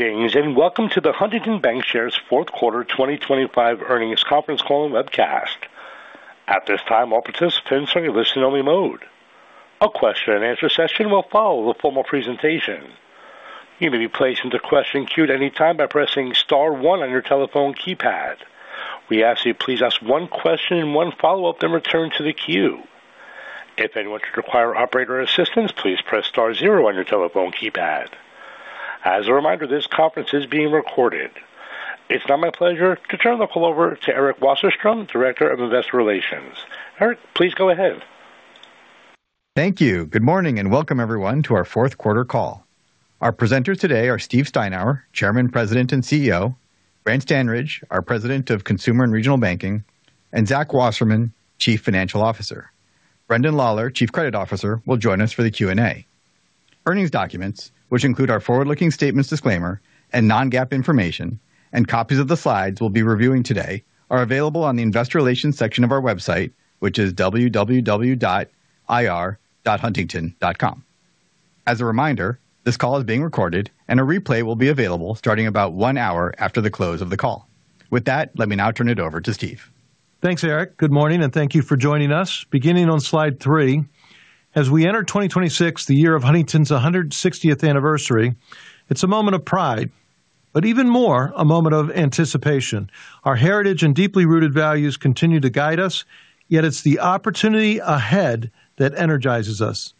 Greetings and welcome to the Huntington Bancshares Fourth Quarter 2025 Earnings Conference Call and Webcast. At this time, all participants are in listen-only mode. A question-and-answer session will follow the formal presentation. You may be placed into question queue at any time by pressing star one on your telephone keypad. We ask that you please ask one question and one follow-up, then return to the queue. If anyone should require operator assistance, please press star zero on your telephone keypad. As a reminder, this conference is being recorded. It's now my pleasure to turn the call over to Eric Wasserstrom, Director of Investor Relations. Eric, please go ahead. Thank you. Good morning and welcome everyone to our Fourth Quarter Call. Our presenters today are Steve Steinour, Chairman, President, and CEO; Brant Standridge, our President of Consumer and Regional Banking; and Zach Wasserman, Chief Financial Officer. Brendan Lawler, Chief Credit Officer, will join us for the Q&A. Earnings documents, which include our forward-looking statements disclaimer and non-GAAP information, and copies of the slides we'll be reviewing today, are available on the Investor Relations section of our website, which is www.ir.huntington.com. As a reminder, this call is being recorded, and a replay will be available starting about one hour after the close of the call. With that, let me now turn it over to Steve. Thanks, Eric. Good morning, and thank you for joining us. Beginning on slide three, as we enter 2026, the year of Huntington's 160th anniversary, it's a moment of pride, but even more, a moment of anticipation. Our heritage and deeply rooted values continue to guide us, yet it's the opportunity ahead that energizes us.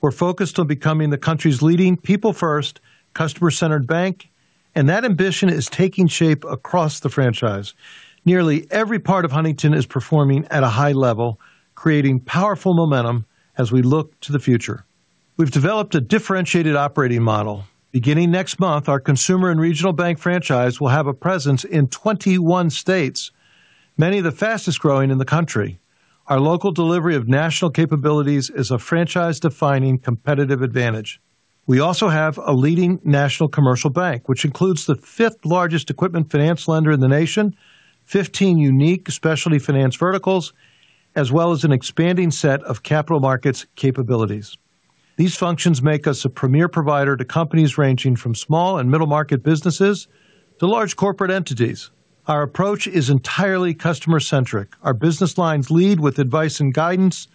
We're focused on becoming the country's leading people-first, customer-centered bank, and that ambition is taking shape across the franchise. Nearly every part of Huntington is performing at a high level, creating powerful momentum as we look to the future. We've developed a differentiated operating model. Beginning next month, our consumer and regional bank franchise will have a presence in 21 states, many of the fastest growing in the country. Our local delivery of national capabilities is a franchise-defining competitive advantage. We also have a leading national commercial bank, which includes the fifth largest equipment finance lender in the nation, 15 unique specialty finance verticals, as well as an expanding set of capital markets capabilities. These functions make us a premier provider to companies ranging from small and middle-market businesses to large corporate entities. Our approach is entirely customer-centric. Our business lines lead with advice and guidance,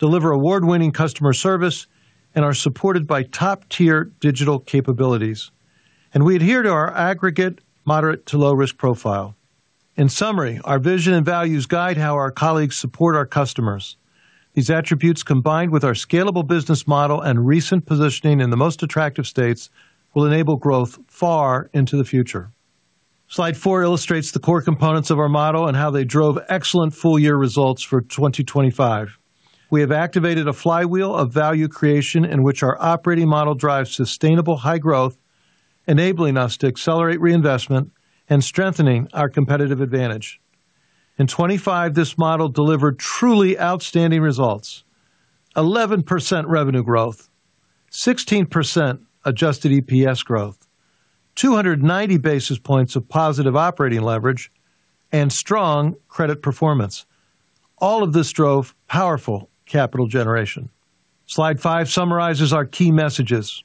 deliver award-winning customer service, and are supported by top-tier digital capabilities. And we adhere to our aggregate moderate to low-risk profile. In summary, our vision and values guide how our colleagues support our customers. These attributes, combined with our scalable business model and recent positioning in the most attractive states, will enable growth far into the future. Slide four illustrates the core components of our model and how they drove excellent full-year results for 2025. We have activated a flywheel of value creation in which our operating model drives sustainable high growth, enabling us to accelerate reinvestment and strengthening our competitive advantage. In 2025, this model delivered truly outstanding results: 11% revenue growth, 16% adjusted EPS growth, 290 basis points of positive operating leverage, and strong credit performance. All of this drove powerful capital generation. Slide five summarizes our key messages.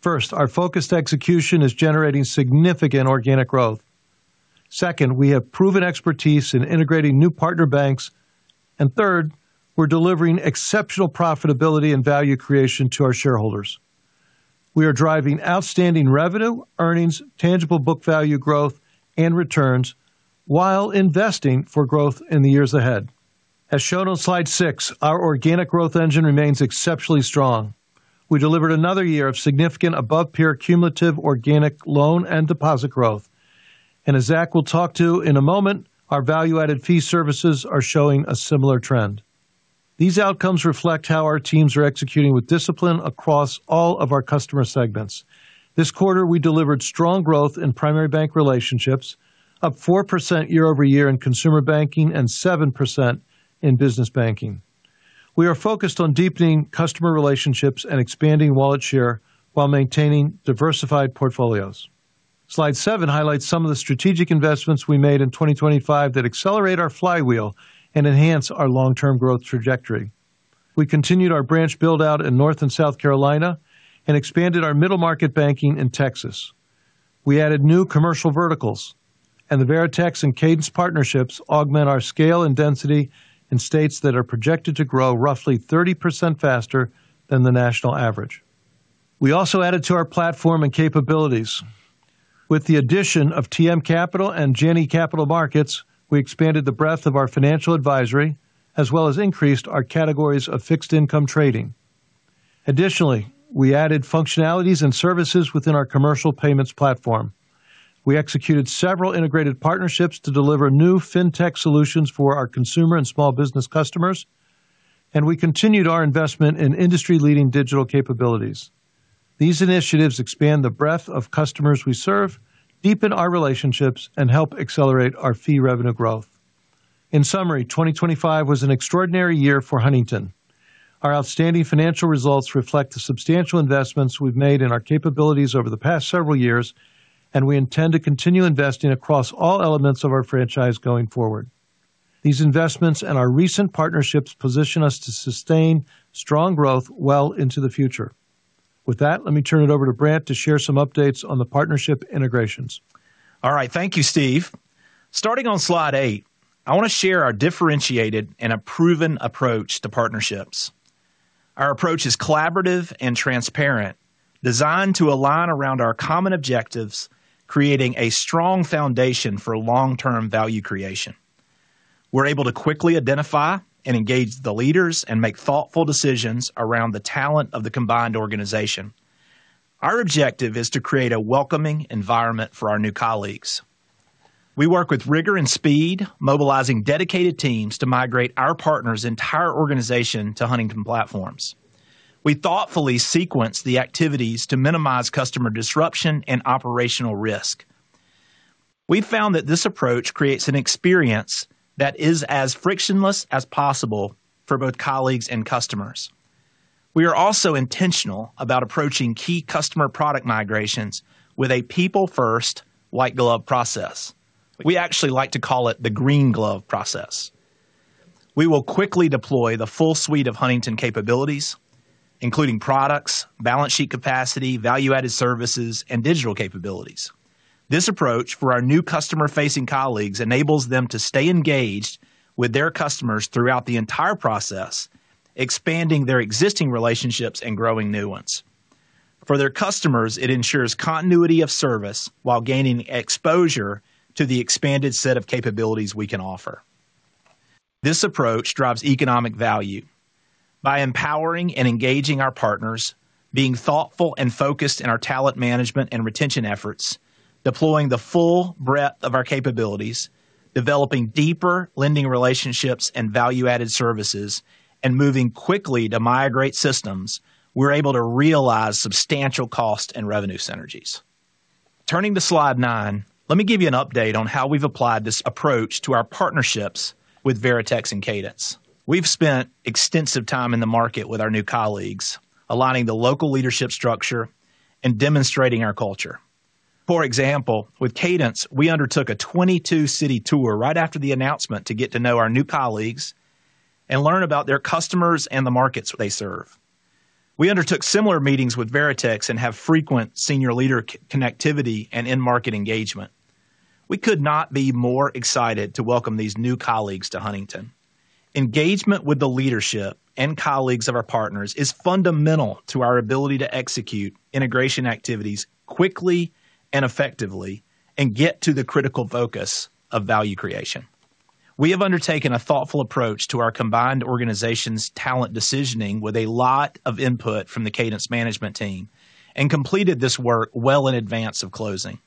First, our focused execution is generating significant organic growth. Second, we have proven expertise in integrating new partner banks. And third, we're delivering exceptional profitability and value creation to our shareholders. We are driving outstanding revenue, earnings, tangible book value growth, and returns while investing for growth in the years ahead. As shown on slide six, our organic growth engine remains exceptionally strong. We delivered another year of significant above-peer cumulative organic loan and deposit growth. And as Zach will talk to in a moment, our value-added fee services are showing a similar trend. These outcomes reflect how our teams are executing with discipline across all of our customer segments. This quarter, we delivered strong growth in primary bank relationships, up 4% year over year in consumer banking and 7% in business banking. We are focused on deepening customer relationships and expanding wallet share while maintaining diversified portfolios. Slide seven highlights some of the strategic investments we made in 2025 that accelerate our flywheel and enhance our long-term growth trajectory. We continued our branch build-out in North and South Carolina and expanded our middle-market banking in Texas. We added new commercial verticals, and the Veritex and Cadence partnerships augment our scale and density in states that are projected to grow roughly 30% faster than the national average. We also added to our platform and capabilities. With the addition of TM Capital and Janney Montgomery Scott, we expanded the breadth of our financial advisory as well as increased our categories of fixed-income trading. Additionally, we added functionalities and services within our commercial payments platform. We executed several integrated partnerships to deliver new fintech solutions for our consumer and small business customers, and we continued our investment in industry-leading digital capabilities. These initiatives expand the breadth of customers we serve, deepen our relationships, and help accelerate our fee revenue growth. In summary, 2025 was an extraordinary year for Huntington. Our outstanding financial results reflect the substantial investments we've made in our capabilities over the past several years, and we intend to continue investing across all elements of our franchise going forward. These investments and our recent partnerships position us to sustain strong growth well into the future. With that, let me turn it over to Brant to share some updates on the partnership integrations. All right, thank you, Steve. Starting on slide eight, I want to share our differentiated and a proven approach to partnerships. Our approach is collaborative and transparent, designed to align around our common objectives, creating a strong foundation for long-term value creation. We're able to quickly identify and engage the leaders and make thoughtful decisions around the talent of the combined organization. Our objective is to create a welcoming environment for our new colleagues. We work with rigor and speed, mobilizing dedicated teams to migrate our partners' entire organization to Huntington platforms. We thoughtfully sequence the activities to minimize customer disruption and operational risk. We found that this approach creates an experience that is as frictionless as possible for both colleagues and customers. We are also intentional about approaching key customer product migrations with a people-first, white-glove process. We actually like to call it the green-glove process. We will quickly deploy the full suite of Huntington capabilities, including products, balance sheet capacity, value-added services, and digital capabilities. This approach for our new customer-facing colleagues enables them to stay engaged with their customers throughout the entire process, expanding their existing relationships and growing new ones. For their customers, it ensures continuity of service while gaining exposure to the expanded set of capabilities we can offer. This approach drives economic value by empowering and engaging our partners, being thoughtful and focused in our talent management and retention efforts, deploying the full breadth of our capabilities, developing deeper lending relationships and value-added services, and moving quickly to migrate systems. We're able to realize substantial cost and revenue synergies. Turning to slide nine, let me give you an update on how we've applied this approach to our partnerships with Veritex and Cadence. We've spent extensive time in the market with our new colleagues, aligning the local leadership structure and demonstrating our culture. For example, with Cadence, we undertook a 22-city tour right after the announcement to get to know our new colleagues and learn about their customers and the markets they serve. We undertook similar meetings with Veritex and have frequent senior leader connectivity and in-market engagement. We could not be more excited to welcome these new colleagues to Huntington. Engagement with the leadership and colleagues of our partners is fundamental to our ability to execute integration activities quickly and effectively and get to the critical focus of value creation. We have undertaken a thoughtful approach to our combined organization's talent decisioning with a lot of input from the Cadence management team and completed this work well in advance of closing.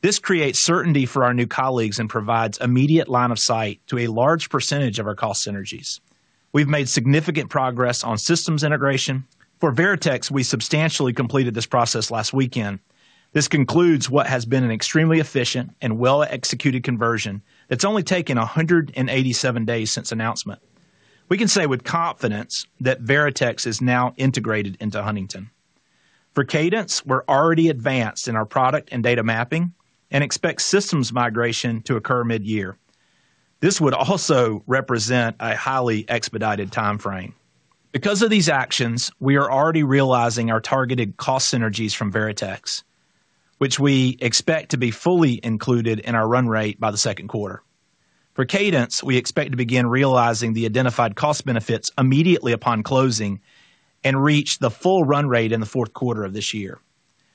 This creates certainty for our new colleagues and provides immediate line of sight to a large percentage of our cost synergies. We've made significant progress on systems integration. For Veritex, we substantially completed this process last weekend. This concludes what has been an extremely efficient and well-executed conversion that's only taken 187 days since announcement. We can say with confidence that Veritex is now integrated into Huntington. For Cadence, we're already advanced in our product and data mapping and expect systems migration to occur mid-year. This would also represent a highly expedited timeframe. Because of these actions, we are already realizing our targeted cost synergies from Veritex, which we expect to be fully included in our run rate by the second quarter. For Cadence, we expect to begin realizing the identified cost benefits immediately upon closing and reach the full run rate in the fourth quarter of this year.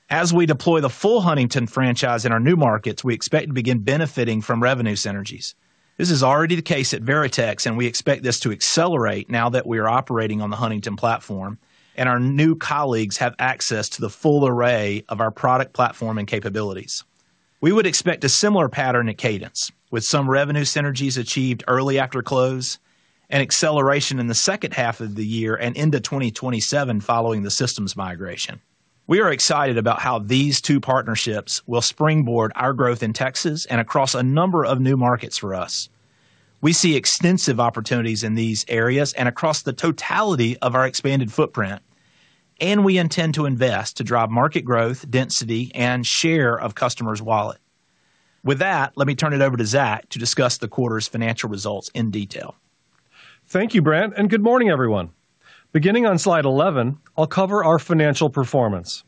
As we deploy the full Huntington franchise in our new markets, we expect to begin benefiting from revenue synergies. This is already the case at Veritex, and we expect this to accelerate now that we are operating on the Huntington platform and our new colleagues have access to the full array of our product platform and capabilities. We would expect a similar pattern at Cadence, with some revenue synergies achieved early after close and acceleration in the second half of the year and into 2027 following the systems migration. We are excited about how these two partnerships will springboard our growth in Texas and across a number of new markets for us. We see extensive opportunities in these areas and across the totality of our expanded footprint, and we intend to invest to drive market growth, density, and share of customers' wallet. With that, let me turn it over to Zach to discuss the quarter's financial results in detail. Thank you, Brant, and good morning, everyone. Beginning on slide 11, I'll cover our financial performance.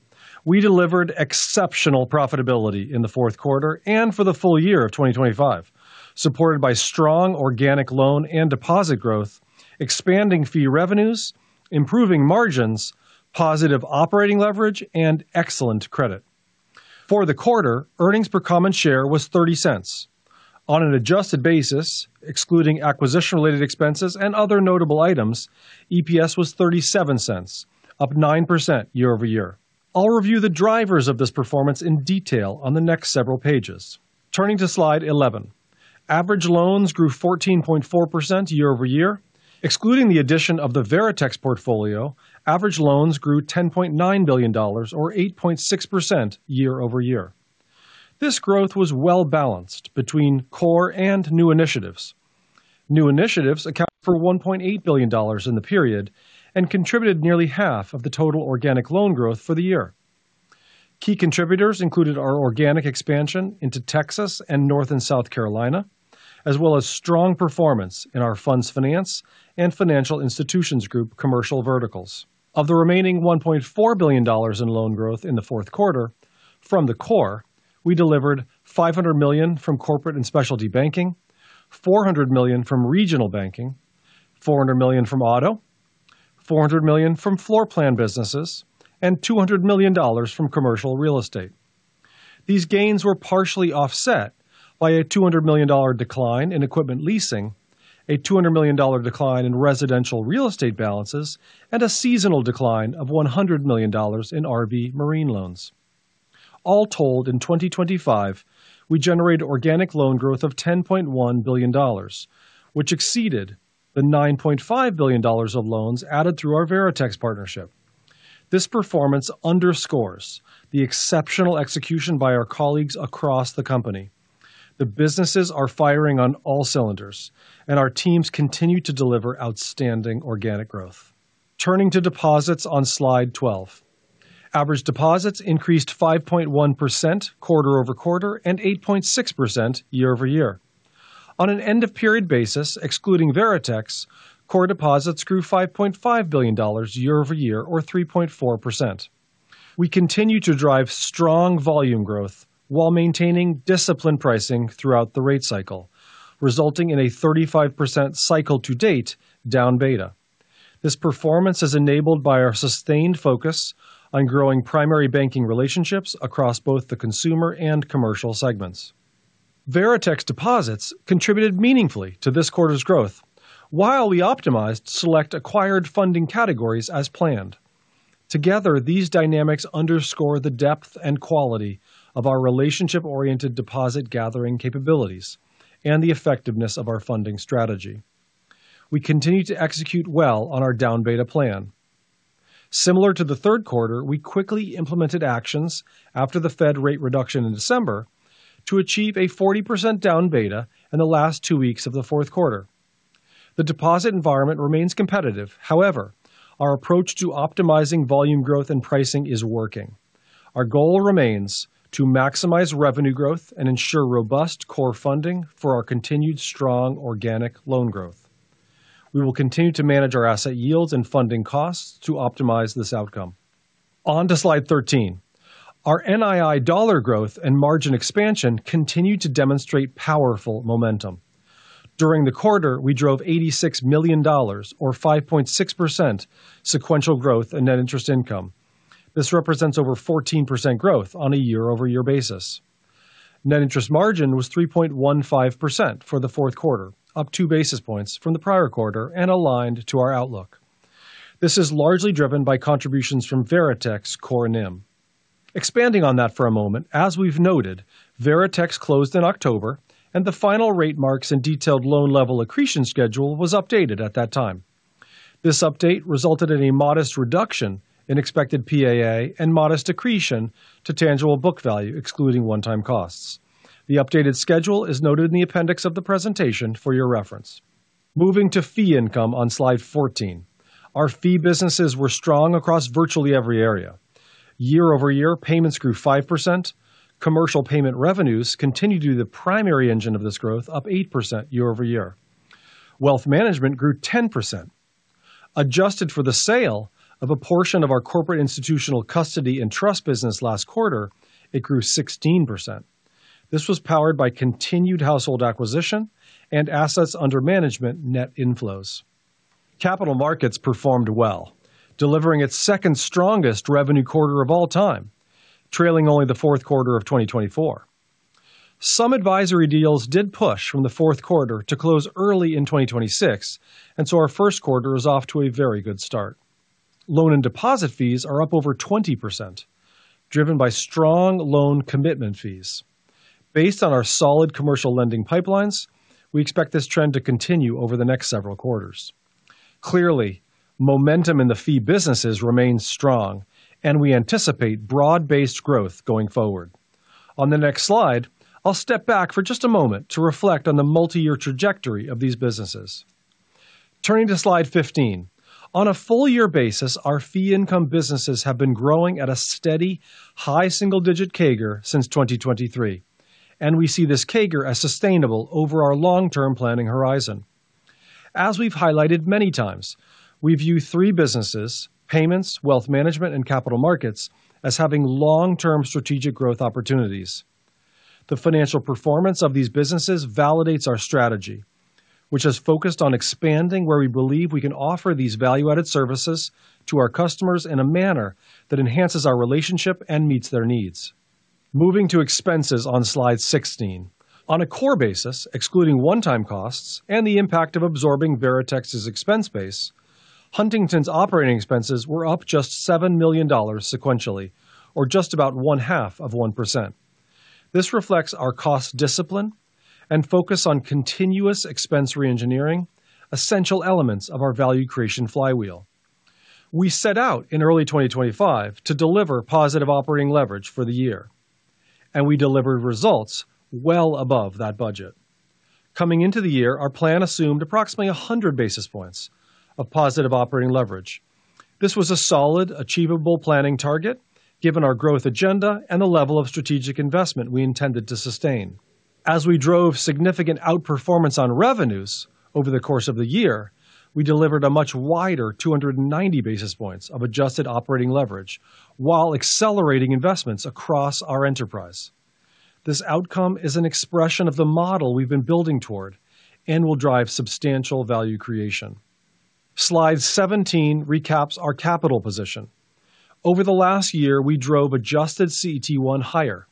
We delivered exceptional profitability in the fourth quarter and for the full year of 2025, supported by strong organic loan and deposit growth, expanding fee revenues, improving margins, positive operating leverage, and excellent credit. For the quarter, earnings per common share was $0.30. On an adjusted basis, excluding acquisition-related expenses and other notable items, EPS was $0.37, up 9% year-over-year. I'll review the drivers of this performance in detail on the next several pages. Turning to slide 11, average loans grew 14.4% year over year. Excluding the addition of the Veritex portfolio, average loans grew $10.9 billion, or 8.6% year-over-year. This growth was well-balanced between core and new initiatives. New initiatives accounted for $1.8 billion in the period and contributed nearly half of the total organic loan growth for the year. Key contributors included our organic expansion into Texas and North and South Carolina, as well as strong performance in our funds finance and financial institutions group commercial verticals. Of the remaining $1.4 billion in loan growth in the fourth quarter, from the core, we delivered $500 million from corporate and specialty banking, $400 million from regional banking, $400 million from auto, $400 million from floor plan businesses, and $200 million from commercial real estate. These gains were partially offset by a $200 million decline in equipment leasing, a $200 million decline in residential real estate balances, and a seasonal decline of $100 million in RV marine loans. All told, in 2025, we generated organic loan growth of $10.1 billion, which exceeded the $9.5 billion of loans added through our Veritex partnership. This performance underscores the exceptional execution by our colleagues across the company. The businesses are firing on all cylinders, and our teams continue to deliver outstanding organic growth. Turning to deposits on slide 12, average deposits increased 5.1% quarter-over-quarter and 8.6% year-over-year. On an end-of-period basis, excluding Veritex, core deposits grew $5.5 billion year-over-year, or 3.4%. We continue to drive strong volume growth while maintaining disciplined pricing throughout the rate cycle, resulting in a 35% cycle-to-date down beta. This performance is enabled by our sustained focus on growing primary banking relationships across both the consumer and commercial segments. Veritex deposits contributed meaningfully to this quarter's growth while we optimized select acquired funding categories as planned. Together, these dynamics underscore the depth and quality of our relationship-oriented deposit gathering capabilities and the effectiveness of our funding strategy. We continue to execute well on our down beta plan. Similar to the third quarter, we quickly implemented actions after the Fed rate reduction in December to achieve a 40% down beta in the last two weeks of the fourth quarter. The deposit environment remains competitive. However, our approach to optimizing volume growth and pricing is working. Our goal remains to maximize revenue growth and ensure robust core funding for our continued strong organic loan growth. We will continue to manage our asset yields and funding costs to optimize this outcome. On to slide 13. Our NII dollar growth and margin expansion continue to demonstrate powerful momentum. During the quarter, we drove $86 million, or 5.6% sequential growth in net interest income. This represents over 14% growth on a year-over-year basis. Net interest margin was 3.15% for the fourth quarter, up two basis points from the prior quarter and aligned to our outlook. This is largely driven by contributions from Veritex core and NIM. Expanding on that for a moment, as we've noted, Veritex closed in October, and the final rate marks and detailed loan level accretion schedule was updated at that time. This update resulted in a modest reduction in expected PAA and modest accretion to tangible book value, excluding one-time costs. The updated schedule is noted in the appendix of the presentation for your reference. Moving to fee income on slide 14, our fee businesses were strong across virtually every area. Year-over-year, payments grew 5%. Commercial payment revenues continued to be the primary engine of this growth, up 8% year-over-year. Wealth management grew 10%. Adjusted for the sale of a portion of our corporate institutional custody and trust business last quarter, it grew 16%. This was powered by continued household acquisition and assets under management net inflows. Capital markets performed well, delivering its second strongest revenue quarter of all time, trailing only the fourth quarter of 2024. Some advisory deals did push from the fourth quarter to close early in 2026, and so our first quarter is off to a very good start. Loan and deposit fees are up over 20%, driven by strong loan commitment fees. Based on our solid commercial lending pipelines, we expect this trend to continue over the next several quarters. Clearly, momentum in the fee businesses remains strong, and we anticipate broad-based growth going forward. On the next slide, I'll step back for just a moment to reflect on the multi-year trajectory of these businesses. Turning to slide 15, on a full-year basis, our fee income businesses have been growing at a steady, high single-digit CAGR since 2023, and we see this CAGR as sustainable over our long-term planning horizon. As we've highlighted many times, we view three businesses: payments, wealth management, and capital markets as having long-term strategic growth opportunities. The financial performance of these businesses validates our strategy, which has focused on expanding where we believe we can offer these value-added services to our customers in a manner that enhances our relationship and meets their needs. Moving to expenses on slide 16, on a core basis, excluding one-time costs and the impact of absorbing Veritex's expense base, Huntington's operating expenses were up just $7 million sequentially, or just about 0.5%. This reflects our cost discipline and focus on continuous expense re-engineering, essential elements of our value creation flywheel. We set out in early 2025 to deliver positive operating leverage for the year, and we delivered results well above that budget. Coming into the year, our plan assumed approximately 100 basis points of positive operating leverage. This was a solid, achievable planning target given our growth agenda and the level of strategic investment we intended to sustain. As we drove significant outperformance on revenues over the course of the year, we delivered a much wider 290 basis points of adjusted operating leverage while accelerating investments across our enterprise. This outcome is an expression of the model we've been building toward and will drive substantial value creation. Slide 17 recaps our capital position. Over the last year, we drove adjusted CET1 higher.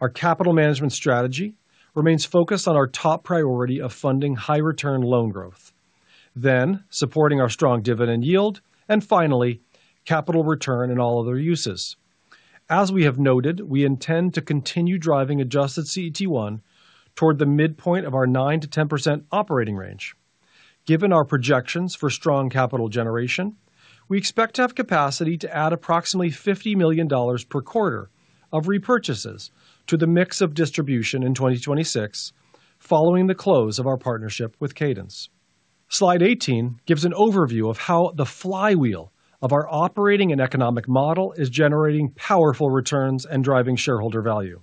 Our capital management strategy remains focused on our top priority of funding high-return loan growth, then supporting our strong dividend yield, and finally, capital return in all other uses. As we have noted, we intend to continue driving adjusted CET1 toward the midpoint of our 9%-10% operating range. Given our projections for strong capital generation, we expect to have capacity to add approximately $50 million per quarter of repurchases to the mix of distribution in 2026, following the close of our partnership with Cadence. Slide 18 gives an overview of how the flywheel of our operating and economic model is generating powerful returns and driving shareholder value.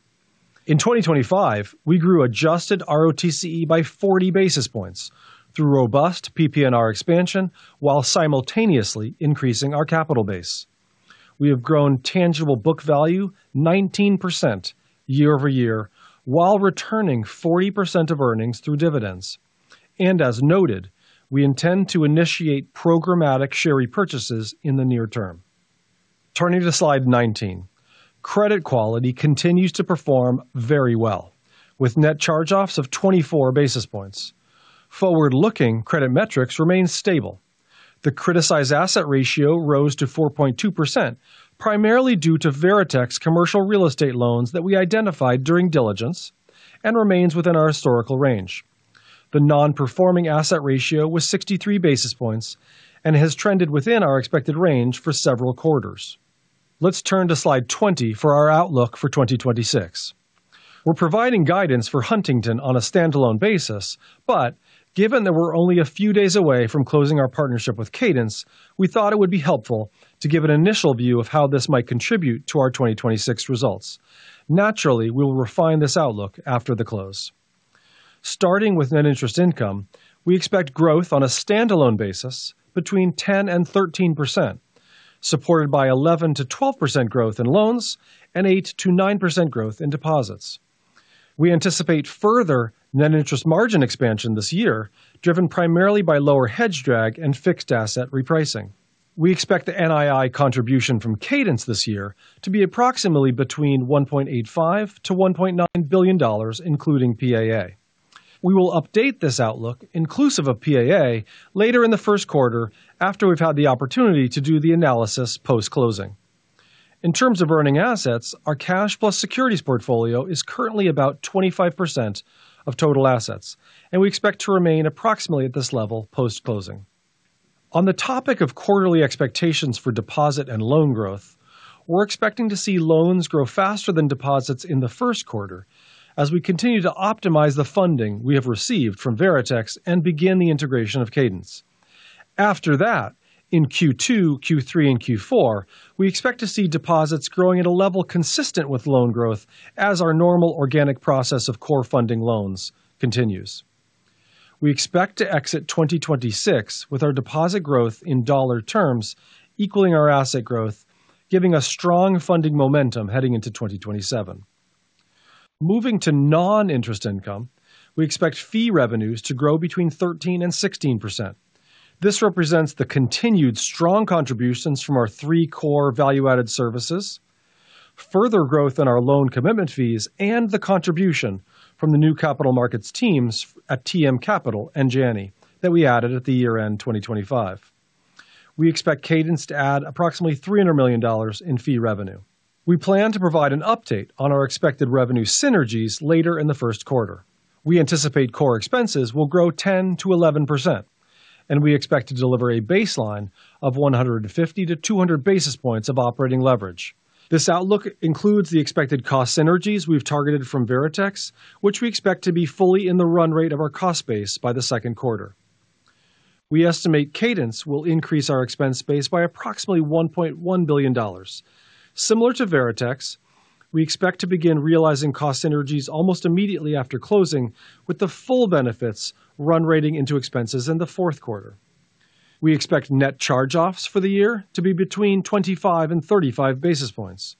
In 2025, we grew adjusted ROTCE by 40 basis points through robust PP&R expansion while simultaneously increasing our capital base. We have grown tangible book value 19% year-over-year while returning 40% of earnings through dividends. As noted, we intend to initiate programmatic share repurchases in the near term. Turning to slide 19, credit quality continues to perform very well, with net charge-offs of 24 basis points. Forward-looking credit metrics remain stable. The criticized asset ratio rose to 4.2%, primarily due to Veritex commercial real estate loans that we identified during diligence and remains within our historical range. The non-performing asset ratio was 63 basis points and has trended within our expected range for several quarters. Let's turn to slide 20 for our outlook for 2026. We're providing guidance for Huntington on a standalone basis, but given that we're only a few days away from closing our partnership with Cadence, we thought it would be helpful to give an initial view of how this might contribute to our 2026 results. Naturally, we will refine this outlook after the close. Starting with net interest income, we expect growth on a standalone basis between 10% and 13%, supported by 11%-12% growth in loans and 8%-9% growth in deposits. We anticipate further net interest margin expansion this year, driven primarily by lower hedge drag and fixed asset repricing. We expect the NII contribution from Cadence this year to be approximately between $1.85-$1.9 billion, including PAA. We will update this outlook inclusive of PAA later in the first quarter after we've had the opportunity to do the analysis post-closing. In terms of earning assets, our cash plus securities portfolio is currently about 25% of total assets, and we expect to remain approximately at this level post-closing. On the topic of quarterly expectations for deposit and loan growth, we're expecting to see loans grow faster than deposits in the first quarter as we continue to optimize the funding we have received from Veritex and begin the integration of Cadence. After that, in Q2, Q3, and Q4, we expect to see deposits growing at a level consistent with loan growth as our normal organic process of core funding loans continues. We expect to exit 2026 with our deposit growth in dollar terms equaling our asset growth, giving us strong funding momentum heading into 2027. Moving to non-interest income, we expect fee revenues to grow between 13% and 16%. This represents the continued strong contributions from our three core value-added services, further growth in our loan commitment fees, and the contribution from the new capital markets teams at TM Capital and Janney that we added at the year-end 2025. We expect Cadence to add approximately $300 million in fee revenue. We plan to provide an update on our expected revenue synergies later in the first quarter. We anticipate core expenses will grow 10%-11%, and we expect to deliver a baseline of 150-200 basis points of operating leverage. This outlook includes the expected cost synergies we've targeted from Veritex, which we expect to be fully in the run rate of our cost base by the second quarter. We estimate Cadence will increase our expense base by approximately $1.1 billion. Similar to Veritex, we expect to begin realizing cost synergies almost immediately after closing, with the full benefits run rating into expenses in the fourth quarter. We expect net charge-offs for the year to be between 25 and 35 basis points.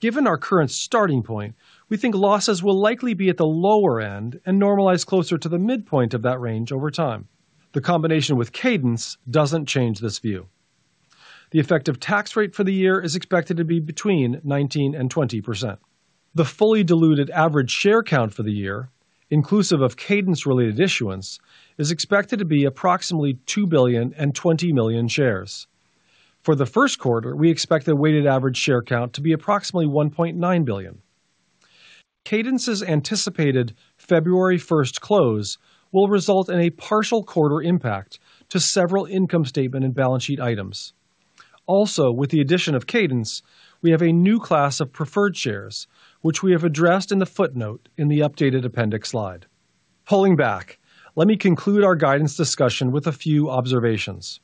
Given our current starting point, we think losses will likely be at the lower end and normalize closer to the midpoint of that range over time. The combination with Cadence doesn't change this view. The effective tax rate for the year is expected to be between 19%-20%. The fully diluted average share count for the year, inclusive of Cadence-related issuance, is expected to be approximately 2 billion and 20 million shares. For the first quarter, we expect the weighted average share count to be approximately 1.9 billion. Cadence's anticipated February 1st close will result in a partial quarter impact to several income statement and balance sheet items. Also, with the addition of Cadence, we have a new class of preferred shares, which we have addressed in the footnote in the updated appendix slide. Pulling back, let me conclude our guidance discussion with a few observations.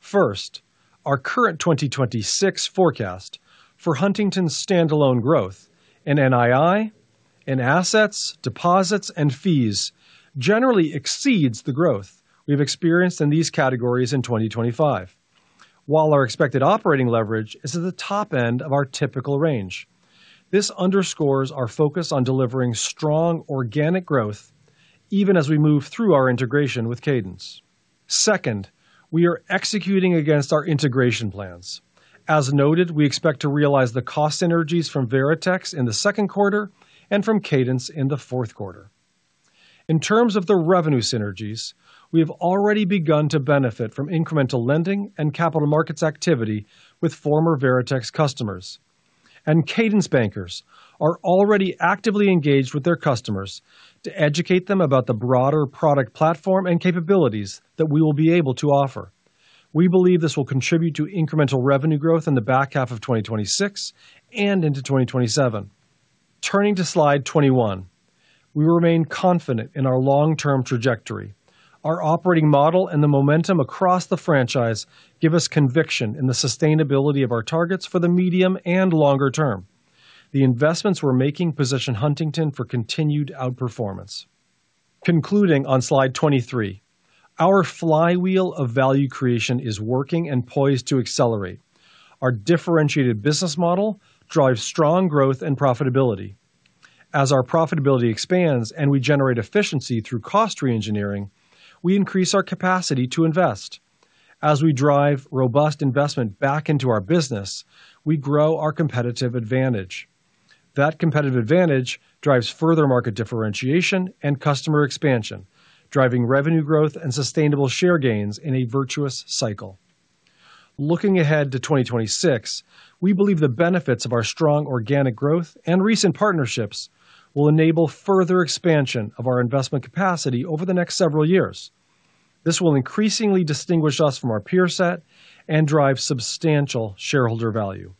First, our current 2026 forecast for Huntington's standalone growth in NII and assets, deposits, and fees generally exceeds the growth we've experienced in these categories in 2025, while our expected operating leverage is at the top end of our typical range. This underscores our focus on delivering strong organic growth even as we move through our integration with Cadence. Second, we are executing against our integration plans. As noted, we expect to realize the cost synergies from Veritex in the second quarter and from Cadence in the fourth quarter. In terms of the revenue synergies, we have already begun to benefit from incremental lending and capital markets activity with former Veritex customers, and Cadence bankers are already actively engaged with their customers to educate them about the broader product platform and capabilities that we will be able to offer. We believe this will contribute to incremental revenue growth in the back half of 2026 and into 2027. Turning to slide 21, we remain confident in our long-term trajectory. Our operating model and the momentum across the franchise give us conviction in the sustainability of our targets for the medium and longer term. The investments we're making position Huntington for continued outperformance. Concluding on slide 23, our flywheel of value creation is working and poised to accelerate. Our differentiated business model drives strong growth and profitability. As our profitability expands and we generate efficiency through cost re-engineering, we increase our capacity to invest. As we drive robust investment back into our business, we grow our competitive advantage. That competitive advantage drives further market differentiation and customer expansion, driving revenue growth and sustainable share gains in a virtuous cycle. Looking ahead to 2026, we believe the benefits of our strong organic growth and recent partnerships will enable further expansion of our investment capacity over the next several years. This will increasingly distinguish us from our peer set and drive substantial shareholder value.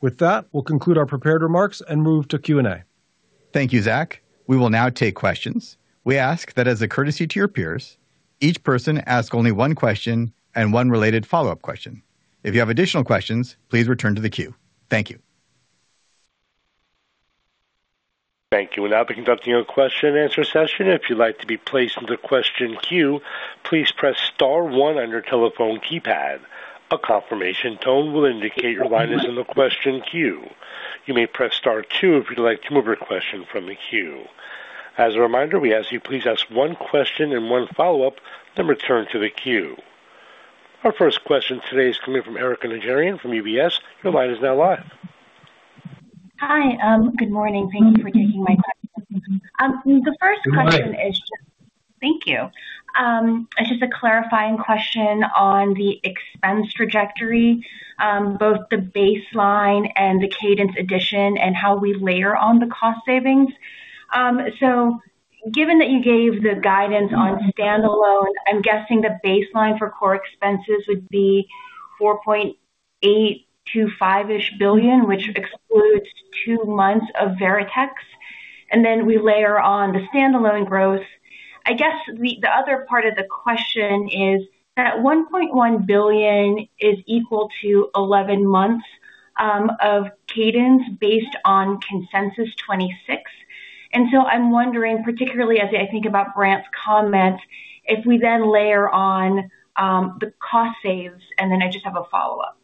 With that, we'll conclude our prepared remarks and move to Q&A. Thank you, Zach. We will now take questions. We ask that as a courtesy to your peers, each person ask only one question and one related follow-up question. If you have additional questions, please return to the queue. Thank you. Thank you. We're now beginning the question-and-answer session. If you'd like to be placed in the question queue, please press star one on your telephone keypad. A confirmation tone will indicate your line is in the question queue. You may press star two if you'd like to move your question from the queue. As a reminder, we ask you please ask one question and one follow-up, then return to the queue. Our first question today is coming from Erika Najarian from UBS. Your line is now live. Hi. Good morning. Thank you for taking my question. The first question is just. Hi. Thank you. It's just a clarifying question on the expense trajectory, both the baseline and the Cadence addition, and how we layer on the cost savings. Given that you gave the guidance on standalone, I'm guessing the baseline for core expenses would be $4.825 billion-ish, which excludes two months of Veritex. And then we layer on the standalone growth. I guess the other part of the question is that $1.1 billion is equal to 11 months of Cadence based on Consensus 26. And so I'm wondering, particularly as I think about Brant's comments, if we then layer on the cost saves, and then I just have a follow-up.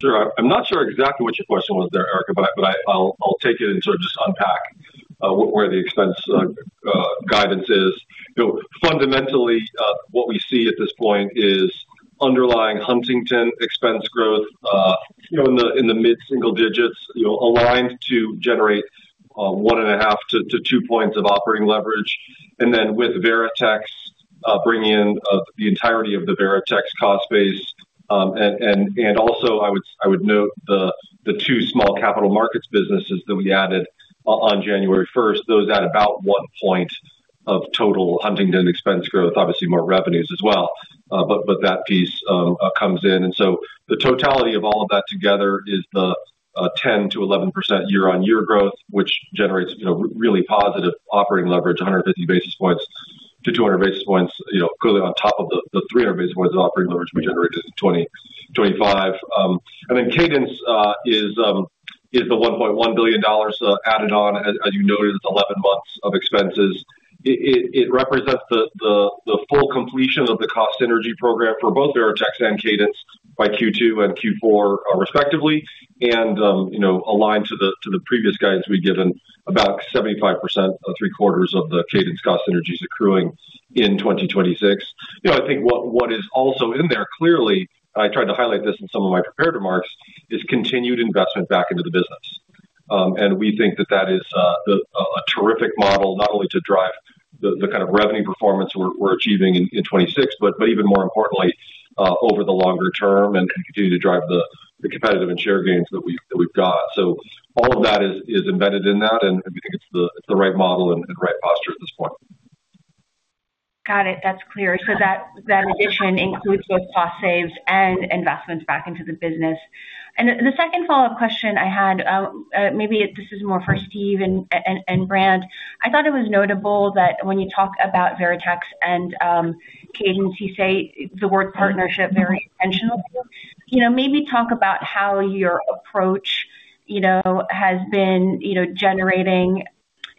Sure. I'm not sure exactly what your question was there, Erika, but I'll take it and sort of just unpack where the expense guidance is. Fundamentally, what we see at this point is underlying Huntington expense growth in the mid-single digits, aligned to generate 1.5-2 points of operating leverage. And then with Veritex bringing in the entirety of the Veritex cost base. And also, I would note the two small capital markets businesses that we added on January 1st, those add about one point of total Huntington expense growth, obviously more revenues as well. But that piece comes in. And so the totality of all of that together is the 10%-11% year-on-year growth, which generates really positive operating leverage, 150-200 basis points, clearly on top of the 300 basis points of operating leverage we generated in 2025. And then Cadence is the $1.1 billion added on, as you noted. It's 11 months of expenses. It represents the full completion of the cost synergy program for both Veritex and Cadence by Q2 and Q4, respectively, and aligned to the previous guidance we've given about 75%, three-quarters of the Cadence cost synergies accruing in 2026. I think what is also in there clearly, and I tried to highlight this in some of my prepared remarks, is continued investment back into the business. And we think that that is a terrific model, not only to drive the kind of revenue performance we're achieving in 2026, but even more importantly, over the longer term and continue to drive the competitive and share gains that we've got. So all of that is embedded in that, and we think it's the right model and right posture at this point. Got it. That's clear. So that addition includes both cost saves and investments back into the business, and the second follow-up question I had, maybe this is more for Steve and Brant, I thought it was notable that when you talk about Veritex and Cadence, you say the word partnership very intentionally. Maybe talk about how your approach has been generating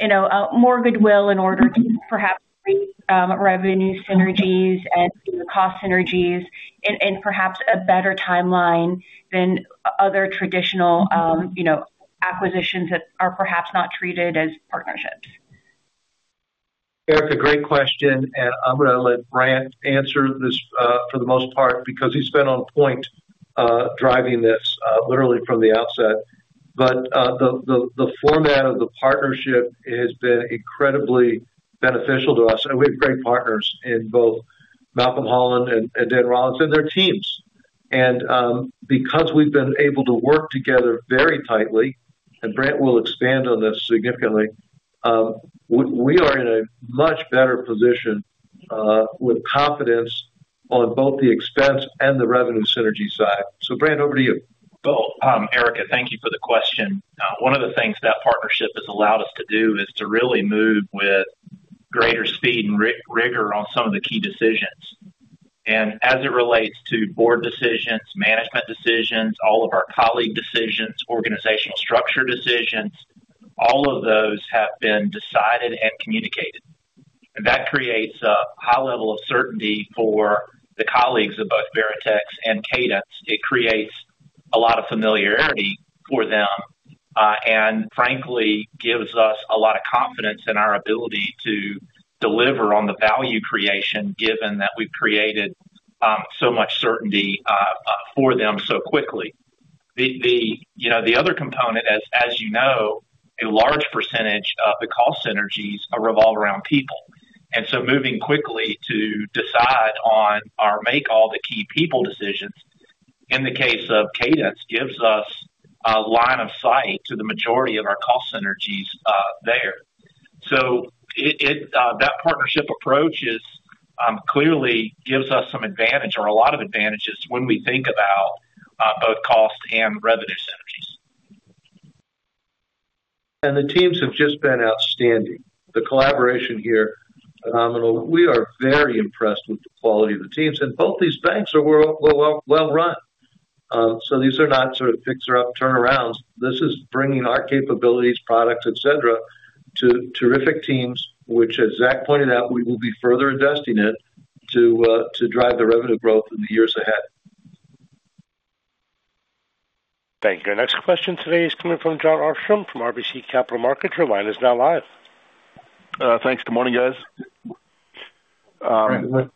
more goodwill in order to perhaps create revenue synergies and cost synergies and perhaps a better timeline than other traditional acquisitions that are perhaps not treated as partnerships? Erika, great question, and I'm going to let Brant answer this for the most part because he's been on point driving this literally from the outset, but the format of the partnership has been incredibly beneficial to us. We have great partners in both Malcolm Holland and Dan Rollins and their teams, and because we've been able to work together very tightly, and Brant will expand on this significantly, we are in a much better position with confidence on both the expense and the revenue synergy side, so Brant, over to you. Erika, thank you for the question. One of the things that partnership has allowed us to do is to really move with greater speed and rigor on some of the key decisions. As it relates to board decisions, management decisions, all of our colleague decisions, organizational structure decisions, all of those have been decided and communicated. That creates a high level of certainty for the colleagues of both Veritex and Cadence. It creates a lot of familiarity for them and frankly gives us a lot of confidence in our ability to deliver on the value creation given that we've created so much certainty for them so quickly. The other component, as you know, a large percentage of the cost synergies revolve around people. And so moving quickly to decide on or make all the key people decisions in the case of Cadence gives us a line of sight to the majority of our cost synergies there. So that partnership approach clearly gives us some advantage or a lot of advantages when we think about both cost and revenue synergies. The teams have just been outstanding. The collaboration here, phenomenal. We are very impressed with the quality of the teams. Both these banks are well-run. These are not sort of fixer-up turnarounds. This is bringing our capabilities, products, etc., to terrific teams, which, as Zach pointed out, we will be further investing in to drive the revenue growth in the years ahead. Thank you. Our next question today is coming from Jon Armstrong from RBC Capital Markets. Your line is now live. Thanks. Good morning, guys. Morning.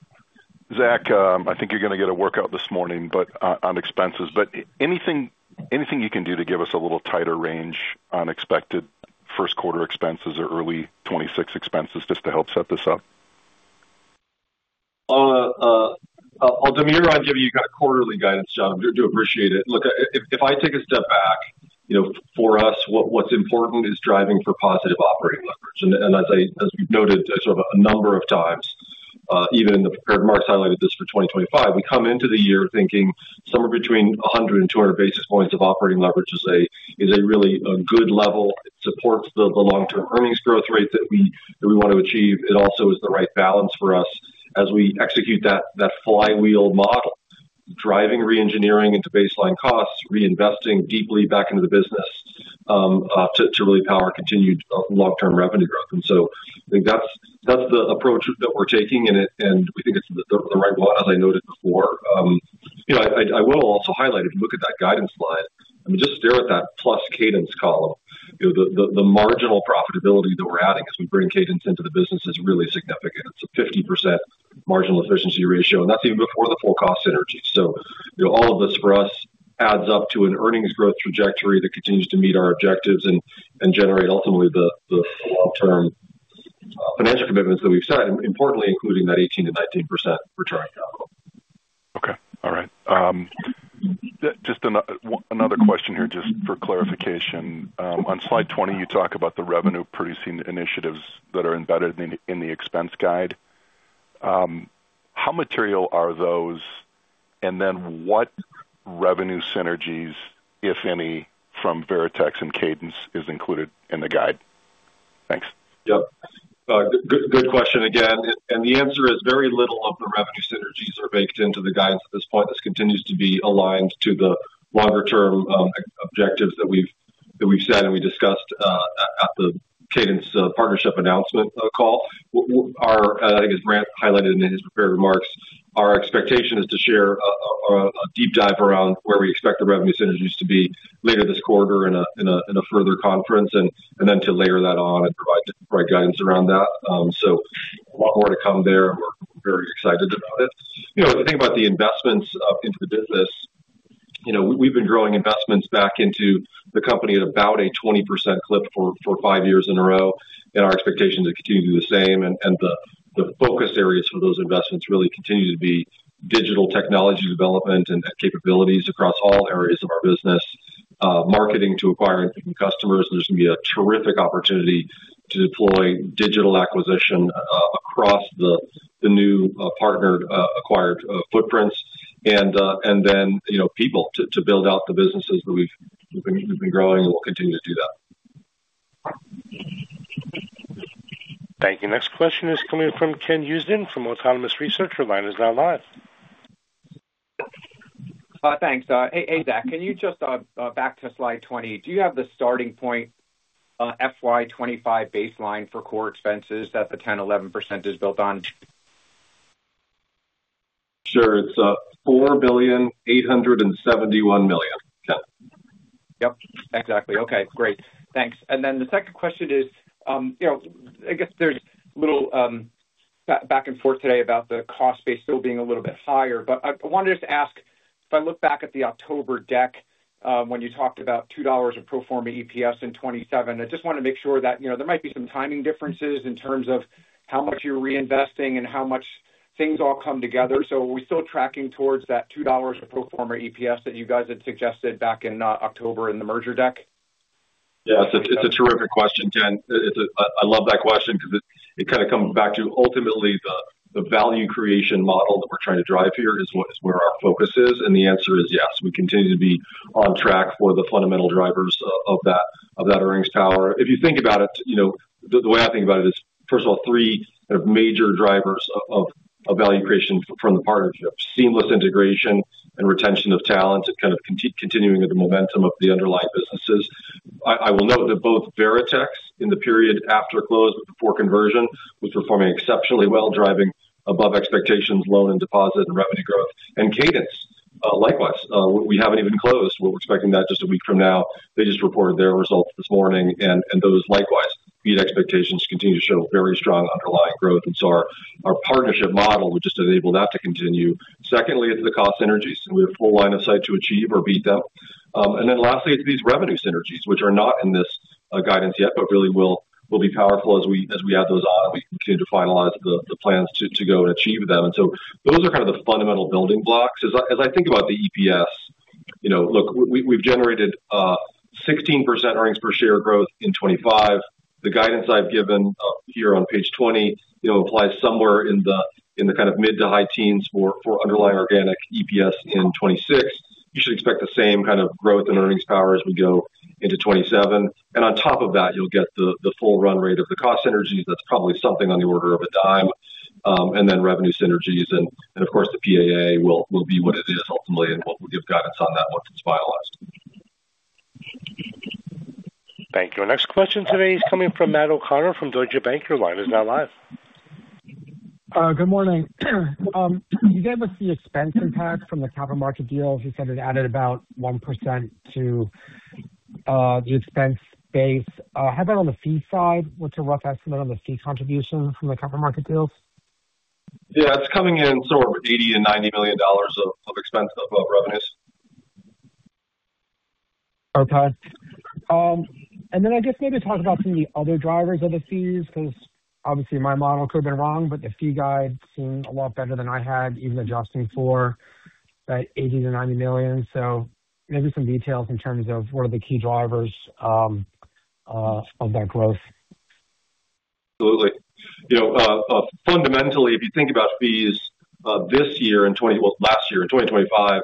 Zach, I think you're going to get a workout this morning on expenses. But anything you can do to give us a little tighter range on expected first quarter expenses or early 2026 expenses just to help set this up? I'll demur on giving you kind of quarterly guidance, John. I do appreciate it. Look, if I take a step back, for us, what's important is driving for positive operating leverage. And as we've noted sort of a number of times, even the prepared remarks highlighted this for 2025, we come into the year thinking somewhere between 100 and 200 basis points of operating leverage is a really good level. It supports the long-term earnings growth rate that we want to achieve. It also is the right balance for us as we execute that flywheel model, driving re-engineering into baseline costs, reinvesting deeply back into the business to really power continued long-term revenue growth. And so I think that's the approach that we're taking, and we think it's the right one, as I noted before. I will also highlight, if you look at that guidance line, I mean, just stare at that plus Cadence column. The marginal profitability that we're adding as we bring Cadence into the business is really significant. It's a 50% marginal efficiency ratio, and that's even before the full cost synergy. So all of this for us adds up to an earnings growth trajectory that continues to meet our objectives and generate ultimately the long-term financial commitments that we've set, importantly including that 18%-19% return on capital. Okay. All right. Just another question here, just for clarification. On slide 20, you talk about the revenue-producing initiatives that are embedded in the expense guide. How material are those, and then what revenue synergies, if any, from Veritex and Cadence is included in the guide? Thanks. Yep. Good question again, and the answer is very little of the revenue synergies are baked into the guidance at this point. This continues to be aligned to the longer-term objectives that we've said and we discussed at the Cadence partnership announcement call. I think as Brant highlighted in his prepared remarks, our expectation is to share a deep dive around where we expect the revenue synergies to be later this quarter in a further conference, and then to layer that on and provide the right guidance around that. So a lot more to come there, and we're very excited about it. If you think about the investments into the business, we've been growing investments back into the company at about a 20% clip for five years in a row, and our expectations continue to be the same. The focus areas for those investments really continue to be digital technology development and capabilities across all areas of our business, marketing to acquire and keeping customers. There's going to be a terrific opportunity to deploy digital acquisition across the new partnered acquired footprints, and then people to build out the businesses that we've been growing, and we'll continue to do that. Thank you. Next question is coming from Ken Usdin from Autonomous Research. Your line is now live. Thanks. Hey, Zach, can you just back to slide 20? Do you have the starting point FY25 baseline for core expenses that the 10%-11% is built on? Sure. It's $4.871 billion. Yep. Exactly. Okay. Great. Thanks. And then the second question is, I guess there's little back and forth today about the cost base still being a little bit higher. But I wanted to just ask, if I look back at the October deck when you talked about $2 a pro forma EPS in 2027, I just want to make sure that there might be some timing differences in terms of how much you're reinvesting and how much things all come together. So are we still tracking towards that $2 a pro forma EPS that you guys had suggested back in October in the merger deck? Yeah. It's a terrific question, Ken. I love that question because it kind of comes back to ultimately the value creation model that we're trying to drive here is where our focus is. And the answer is yes. We continue to be on track for the fundamental drivers of that earnings power. If you think about it, the way I think about it is, first of all, three kind of major drivers of value creation from the partnership: seamless integration and retention of talent and kind of continuing of the momentum of the underlying businesses. I will note that both Veritex in the period after close, but before conversion, was performing exceptionally well, driving above expectations, loan and deposit and revenue growth. And Cadence, likewise. We haven't even closed. We're expecting that just a week from now. They just reported their results this morning. And those likewise beat expectations and continue to show very strong underlying growth. And so our partnership model would just enable that to continue. Secondly, it's the cost synergies. We have a full line of sight to achieve or beat them. And then lastly, it's these revenue synergies, which are not in this guidance yet, but really will be powerful as we add those on and we continue to finalize the plans to go and achieve them. And so those are kind of the fundamental building blocks. As I think about the EPS, look, we've generated 16% earnings per share growth in 2025. The guidance I've given here on page 20 applies somewhere in the kind of mid to high teens for underlying organic EPS in 2026. You should expect the same kind of growth and earnings power as we go into 2027. On top of that, you'll get the full run rate of the cost synergies. That's probably something on the order of a dime. And then revenue synergies and, of course, the PAA will be what it is ultimately, and what we'll give guidance on that once it's finalized. Thank you. Our next question today is coming from Matt O'Connor from Deutsche Bank. Your line is now live. Good morning. You gave us the expense impact from the capital market deals. You said it added about 1% to the expense base. How about on the fee side? What's a rough estimate on the fee contribution from the capital market deals? Yeah. It's coming in somewhere between $80 and $90 million of revenues. Okay. And then I guess maybe talk about some of the other drivers of the fees because obviously my model could have been wrong, but the fee guide seemed a lot better than I had, even adjusting for that $80-$90 million. So maybe some details in terms of what are the key drivers of that growth. Absolutely. Fundamentally, if you think about fees this year and last year, in 2025,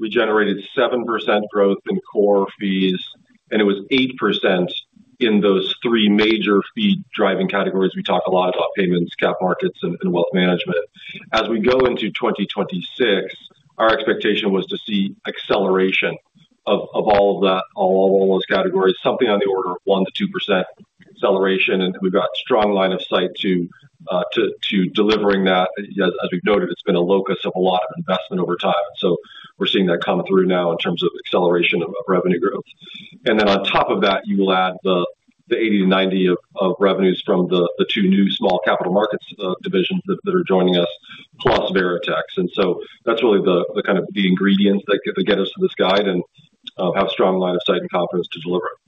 we generated 7% growth in core fees, and it was 8% in those three major fee-driving categories. We talk a lot about payments, capital markets, and wealth management. As we go into 2026, our expectation was to see acceleration of all of those categories, something on the order of 1-2% acceleration. And we've got a strong line of sight to delivering that. As we've noted, it's been a locus of a lot of investment over time. And so we're seeing that come through now in terms of acceleration of revenue growth. And then on top of that, you will add the 80-90 of revenues from the two new small capital markets divisions that are joining us, plus Veritex. So that's really the kind of ingredients that get us to this guide and have a strong line of sight and confidence to deliver it.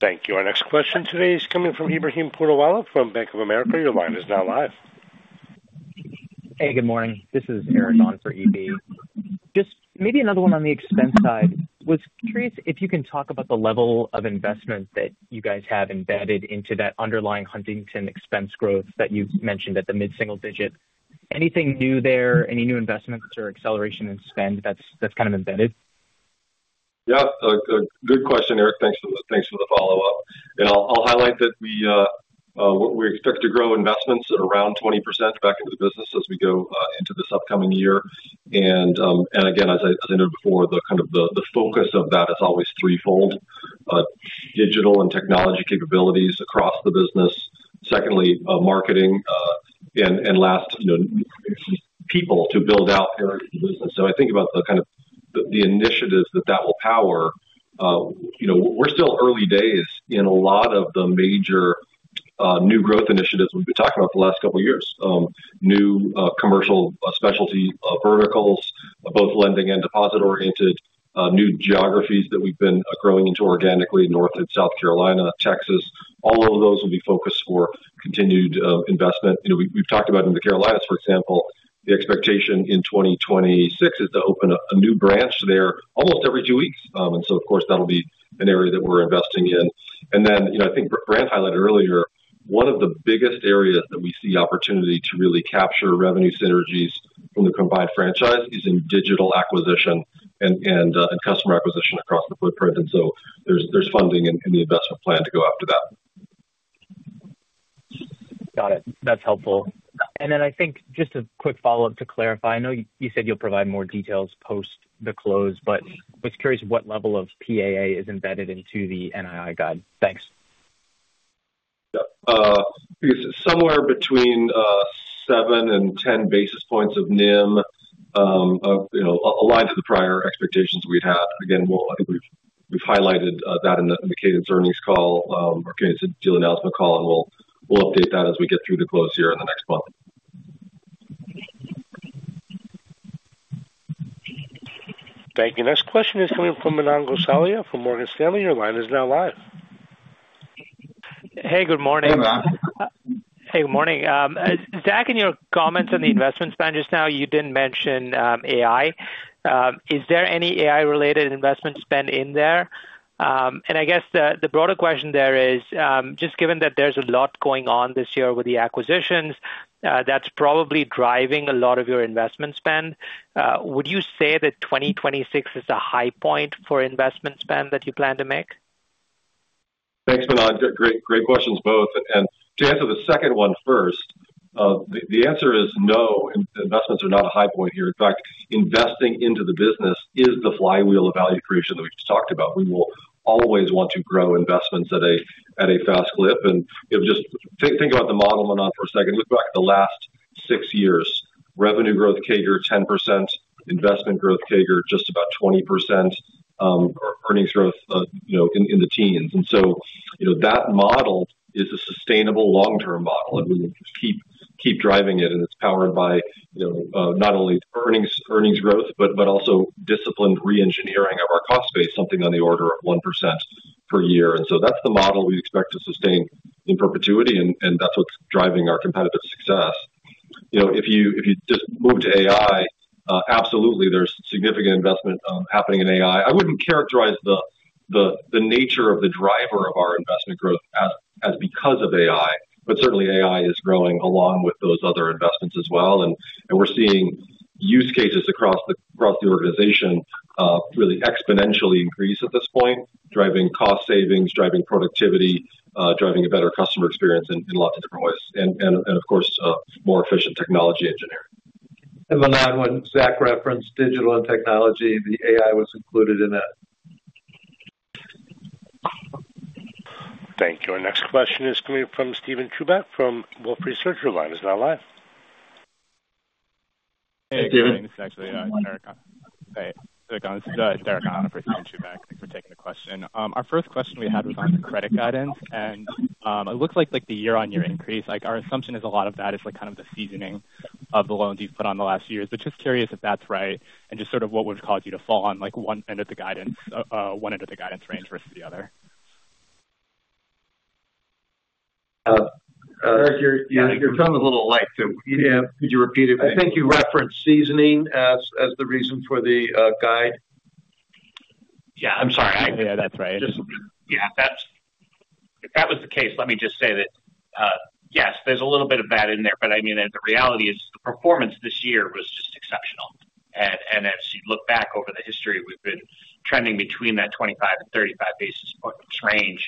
Thank you. Our next question today is coming from Ebrahim Poonawala from Bank of America. Your line is now live. Hey, good morning. This is Eric on for EB. Just maybe another one on the expense side. I was curious if you can talk about the level of investment that you guys have embedded into that underlying Huntington expense growth that you've mentioned at the mid-single digit. Anything new there, any new investments or acceleration in spend that's kind of embedded? Yeah. Good question, Eric. Thanks for the follow-up. And I'll highlight that we expect to grow investments at around 20% back into the business as we go into this upcoming year. And again, as I noted before, kind of the focus of that is always threefold: digital and technology capabilities across the business. Secondly, marketing. And last, people to build out areas of the business. So I think about the kind of the initiatives that that will power. We're still early days in a lot of the major new growth initiatives we've been talking about the last couple of years: new commercial specialty verticals, both lending and deposit-oriented, new geographies that we've been growing into organically: North and South Carolina, Texas. All of those will be focused for continued investment. We've talked about in the Carolinas, for example, the expectation in 2026 is to open a new branch there almost every two weeks, and so, of course, that'll be an area that we're investing in. Then I think Brant highlighted earlier, one of the biggest areas that we see opportunity to really capture revenue synergies from the combined franchise is in digital acquisition and customer acquisition across the footprint, and so there's funding in the investment plan to go after that. Got it. That's helpful. And then I think just a quick follow-up to clarify. I know you said you'll provide more details post the close, but I was curious what level of PAA is embedded into the NII guide. Thanks. Somewhere between 7 and 10 basis points of NIM, aligned to the prior expectations we'd had. Again, I think we've highlighted that in the Cadence earnings call or Cadence deal announcement call, and we'll update that as we get through the close here in the next month. Thank you. Next question is coming from Manan Gosalia from Morgan Stanley. Your line is now live. Hey, good morning. Hey, Matt. Hey, good morning. Zach, in your comments on the investment spend just now, you did mention AI. Is there any AI-related investment spend in there? And I guess the broader question there is, just given that there's a lot going on this year with the acquisitions, that's probably driving a lot of your investment spend. Would you say that 2026 is a high point for investment spend that you plan to make? Thanks, Manan. Great questions, both. And to answer the second one first, the answer is no. Investments are not a high point here. In fact, investing into the business is the flywheel of value creation that we just talked about. We will always want to grow investments at a fast clip. And just think about the model, Manan, for a second. Look back at the last six years. Revenue growth CAGR 10%, investment growth CAGR just about 20%, earnings growth in the teens. And so that model is a sustainable long-term model, and we will keep driving it. And it's powered by not only earnings growth, but also disciplined re-engineering of our cost base, something on the order of 1% per year. And so that's the model we expect to sustain in perpetuity, and that's what's driving our competitive success. If you just move to AI, absolutely, there's significant investment happening in AI. I wouldn't characterize the nature of the driver of our investment growth as because of AI, but certainly AI is growing along with those other investments as well, and we're seeing use cases across the organization really exponentially increase at this point, driving cost savings, driving productivity, driving a better customer experience in lots of different ways, and of course, more efficient technology engineering. The last one, Zach referenced digital and technology. The AI was included in that. Thank you. Our next question is coming from Steven Chubak from Wolfe Research. Your line is now live. Hey, Steven. Actually, Eric. Hey, Eric. This is Derek On for Steven Chubak. Thanks for taking the question. Our first question we had was on the credit guidance. And it looks like the year-on-year increase. Our assumption is a lot of that is kind of the seasoning of the loans you've put on the last few years. But just curious if that's right and just sort of what would cause you to fall on one end of the guidance, one end of the guidance range versus the other. Eric, your tone was a little light, so could you repeat it? I think you referenced seasoning as the reason for the guide. Yeah. I'm sorry. Yeah, that's right. Yeah. If that was the case, let me just say that yes, there's a little bit of that in there. But I mean, the reality is the performance this year was just exceptional. And as you look back over the history, we've been trending between that 25 and 35 basis points range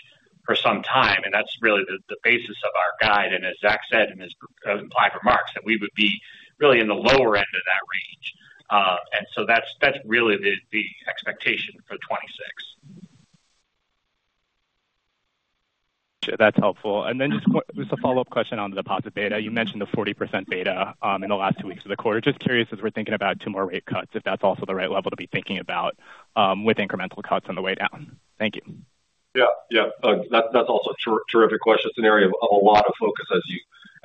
for some time. And that's really the basis of our guide. And as Zach said in his opening remarks, that we would be really in the lower end of that range. And so that's really the expectation for 2026. That's helpful. And then just a follow-up question on the deposit beta. You mentioned the 40% beta in the last two weeks of the quarter. Just curious as we're thinking about two more rate cuts if that's also the right level to be thinking about with incremental cuts on the way down? Thank you. Yeah. Yeah. That's also a terrific question. It's an area of a lot of focus,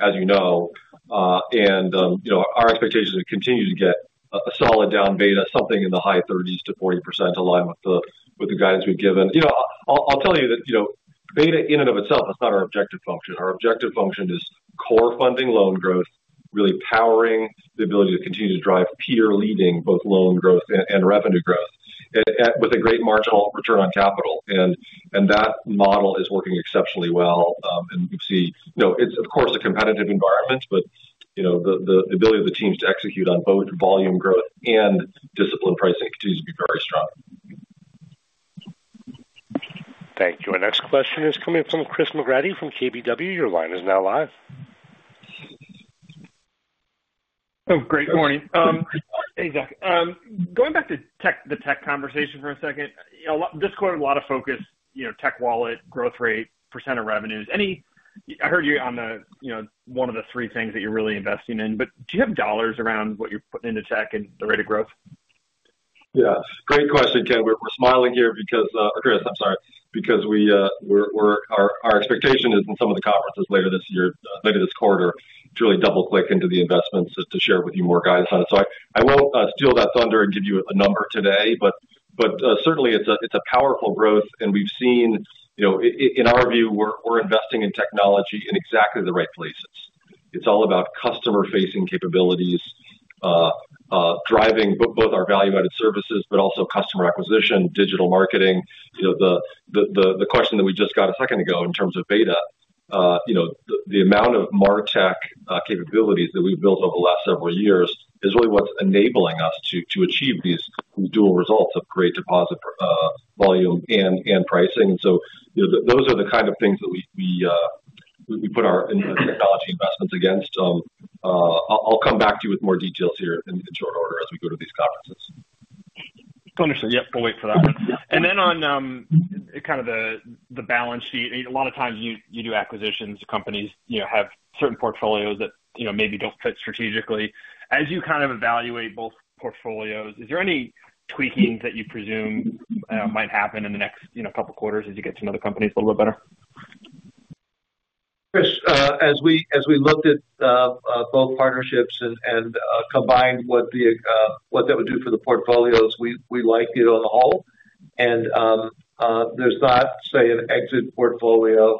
as you know. And our expectation is to continue to get a solid down beta, something in the high 30s-40% to align with the guidance we've given. I'll tell you that beta in and of itself, that's not our objective function. Our objective function is core funding loan growth, really powering the ability to continue to drive peer-leading both loan growth and revenue growth with a great marginal return on capital. And that model is working exceptionally well. And you see, of course, a competitive environment, but the ability of the teams to execute on both volume growth and discipline pricing continues to be very strong. Thank you. Our next question is coming from Chris McGratty from KBW. Your line is now live. Oh, great morning. Hey, Zach. Going back to the tech conversation for a second. This quarter, a lot of focus, tech wallet share, growth rate, percent of revenues. I heard you on one of the three things that you're really investing in. But do you have dollars around what you're putting into tech and the rate of growth? Yes. Great question, Kevin. We're smiling here because Chris, I'm sorry. Because our expectation is in some of the conferences later this year, later this quarter, to really double-click into the investments to share with you more guidance on it. So I won't steal that thunder and give you a number today, but certainly it's a powerful growth. And we've seen, in our view, we're investing in technology in exactly the right places. It's all about customer-facing capabilities, driving both our value-added services, but also customer acquisition, digital marketing. The question that we just got a second ago in terms of beta, the amount of MarTech capabilities that we've built over the last several years is really what's enabling us to achieve these dual results of great deposit volume and pricing. And so those are the kind of things that we put our technology investments against. I'll come back to you with more details here in short order as we go to these conferences. Understood. Yep. We'll wait for that one, and then on kind of the balance sheet, a lot of times you do acquisitions. Companies have certain portfolios that maybe don't fit strategically. As you kind of evaluate both portfolios, is there any tweaking that you presume might happen in the next couple of quarters as you get to know the companies a little bit better? Chris, as we looked at both partnerships and combined what that would do for the portfolios, we liked it on the whole. And there's not, say, an exit portfolio.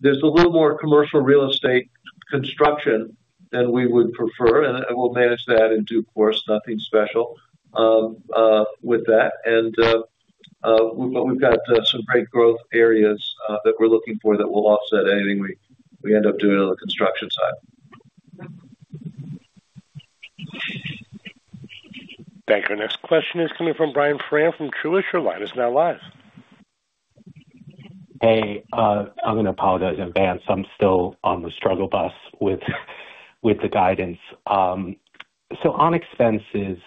There's a little more commercial real estate construction than we would prefer, and we'll manage that in due course, nothing special with that. And but we've got some great growth areas that we're looking for that will offset anything we end up doing on the construction side. Thank you. Our next question is coming from Brian Foran from Truist. Your line is now live. Hey. I'm going to apologize in advance. I'm still on the struggle bus with the guidance, so on expenses,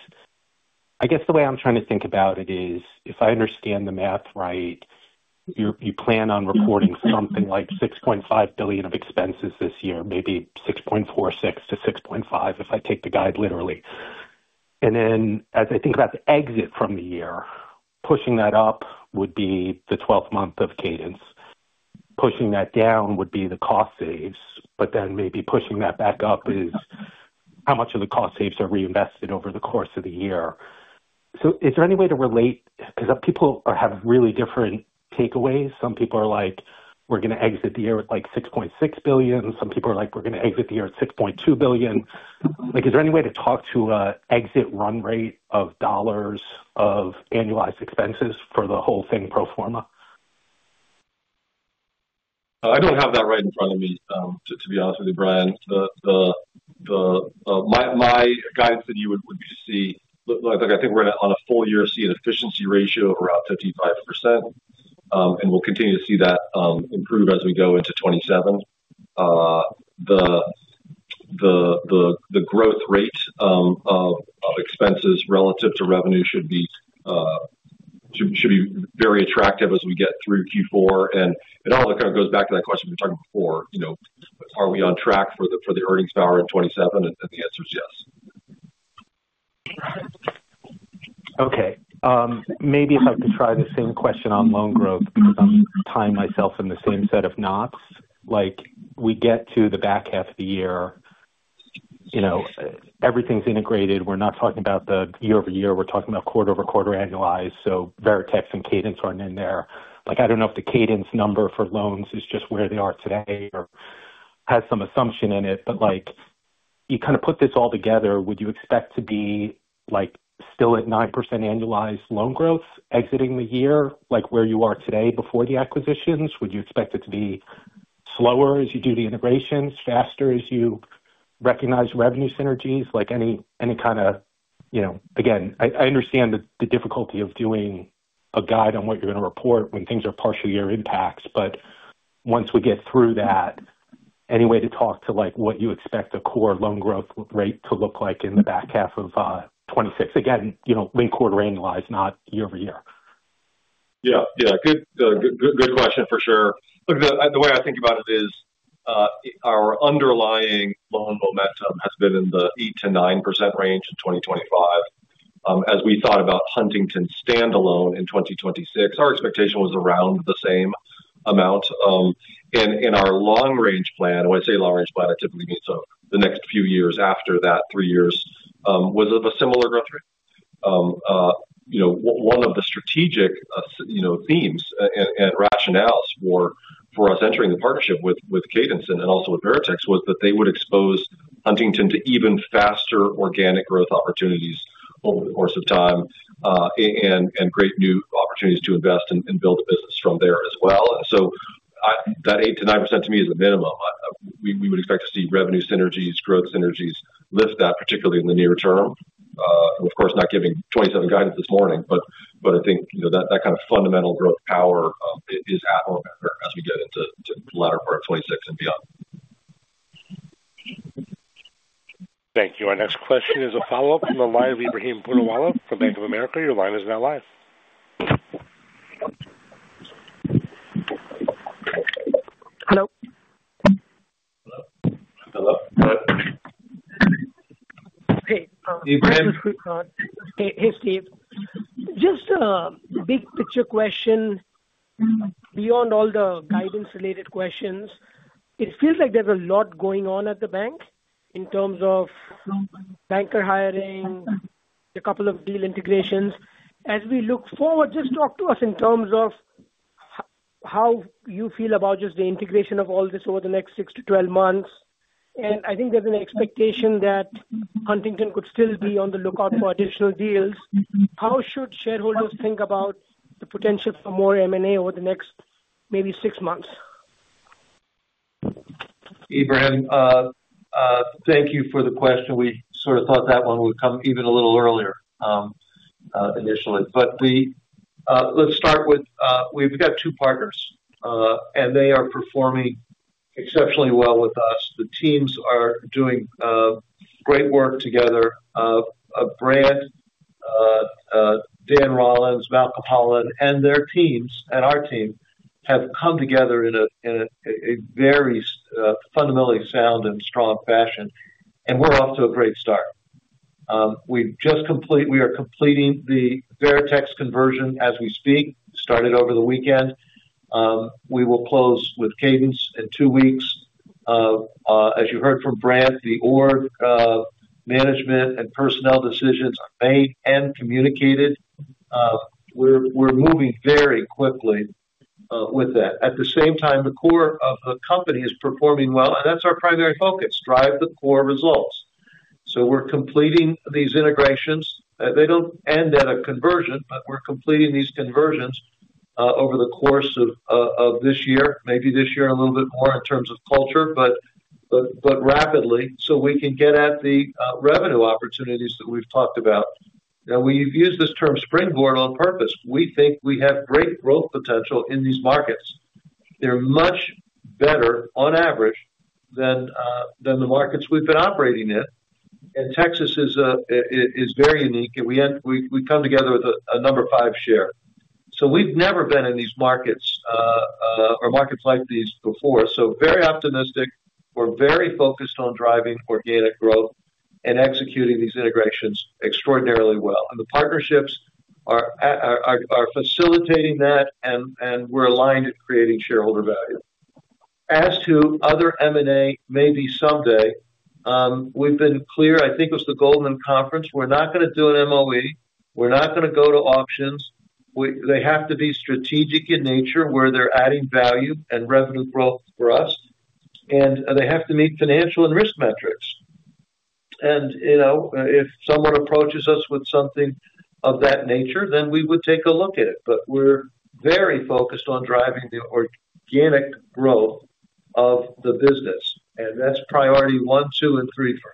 I guess the way I'm trying to think about it is, if I understand the math right, you plan on reporting something like $6.5 billion of expenses this year, maybe $6.46 billion-$6.5 billion, if I take the guide literally, and then as I think about the exit from the year, pushing that up would be the 12th month of Cadence. Pushing that down would be the cost saves, but then maybe pushing that back up is how much of the cost saves are reinvested over the course of the year, so is there any way to relate? Because people have really different takeaways. Some people are like, "We're going to exit the year at like $6.6 billion." Some people are like, "We're going to exit the year at $6.2 billion." Is there any way to talk to an exit run rate of dollars of annualized expenses for the whole thing pro forma? I don't have that right in front of me, to be honest with you, Brian. My guidance that you would see, I think we're on a full year see an efficiency ratio of around 55%. We'll continue to see that improve as we go into 2027. The growth rate of expenses relative to revenue should be very attractive as we get through Q4. It all kind of goes back to that question we were talking before. Are we on track for the earnings power in 2027? The answer is yes. Okay. Maybe if I could try the same question on loan growth because I'm tying myself in the same set of knots. We get to the back half of the year, everything's integrated. We're not talking about the year-over-year. We're talking about quarter-over-quarter annualized. So Veritex and Cadence run in there. I don't know if the cadence number for loans is just where they are today or has some assumption in it. But you kind of put this all together, would you expect to be still at 9% annualized loan growth exiting the year where you are today before the acquisitions? Would you expect it to be slower as you do the integrations, faster as you recognize revenue synergies? Any kind of, again, I understand the difficulty of doing a guide on what you're going to report when things are partial year impacts. But once we get through that, any way to talk to what you expect the core loan growth rate to look like in the back half of 2026? Again, linked quarter annualized, not year-over-year. Yeah. Yeah. Good question for sure. The way I think about it is our underlying loan momentum has been in the 8%-9% range in 2025. As we thought about Huntington standalone in 2026, our expectation was around the same amount, and in our long-range plan, when I say long-range plan, I typically mean the next few years after that, three years, was of a similar growth rate. One of the strategic themes and rationales for us entering the partnership with Cadence and also with Veritex was that they would expose Huntington to even faster organic growth opportunities over the course of time and great new opportunities to invest and build a business from there as well, so that 8%-9% to me is the minimum. We would expect to see revenue synergies, growth synergies lift that, particularly in the near term. Of course, not giving 2027 guidance this morning, but I think that kind of fundamental growth power is at or better as we get into the latter part of 2026 and beyond. Thank you. Our next question is a follow-up from the line of Ebrahim Poonawala from Bank of America. Your line is now live. Hello. Hello. Hey. Hey, Steve. Just a big picture question. Beyond all the guidance-related questions, it feels like there's a lot going on at the bank in terms of banker hiring, a couple of deal integrations. As we look forward, just talk to us in terms of how you feel about just the integration of all this over the next six to 12 months. And I think there's an expectation that Huntington could still be on the lookout for additional deals. How should shareholders think about the potential for more M&A over the next maybe six months? Ebrahim, thank you for the question. We sort of thought that one would come even a little earlier initially. But let's start with, we've got two partners, and they are performing exceptionally well with us. The teams are doing great work together. Brant, Dan Rollins, Malcolm Holland, and their teams and our team have come together in a very fundamentally sound and strong fashion, and we're off to a great start. We are completing the Veritex conversion as we speak. Started over the weekend. We will close with Cadence in two weeks. As you heard from Brant, the org management and personnel decisions are made and communicated. We're moving very quickly with that. At the same time, the core of the company is performing well, and that's our primary focus: drive the core results. We're completing these integrations. They don't end at a conversion, but we're completing these conversions over the course of this year, maybe this year a little bit more in terms of culture, but rapidly so we can get at the revenue opportunities that we've talked about. Now, we've used this term springboard on purpose. We think we have great growth potential in these markets. They're much better on average than the markets we've been operating in, and Texas is very unique. We come together with a number five share, so we've never been in these markets or markets like these before, so very optimistic. We're very focused on driving organic growth and executing these integrations extraordinarily well. The partnerships are facilitating that, and we're aligned at creating shareholder value. As to other M&A, maybe someday, we've been clear. I think it was the Goldman Conference. We're not going to do an MOE. We're not going to go to auctions. They have to be strategic in nature where they're adding value and revenue growth for us, and they have to meet financial and risk metrics, and if someone approaches us with something of that nature, then we would take a look at it. We're very focused on driving the organic growth of the business. That's priority one, two, and three for